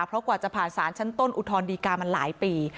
เพราะกว่าจะผ่านศาลชั้นต้นอุทธรณดีการ์มาหลายปี